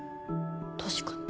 確かに。